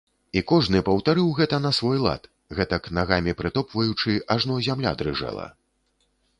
І кожны паўтарыў гэта на свой лад, гэтак нагамі прытопваючы, ажно зямля дрыжэла.